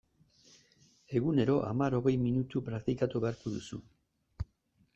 Egunero hamar-hogei minutu praktikatu beharko duzu.